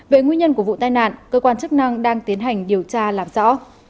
về nguyên nhân của vụ tai nạn cơ quan chức năng đang tiến hành điều tra làm rõ